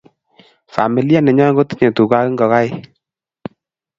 Familia nenyo kotinyei tuga ako ingokaik.